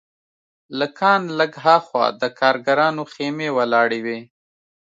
له کان لږ هاخوا د کارګرانو خیمې ولاړې وې